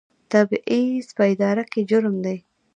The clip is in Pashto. تبعیض په اداره کې جرم دی